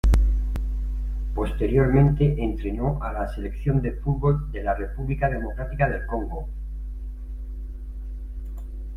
Posteriormente entrenó a la Selección de fútbol de la República Democrática del Congo.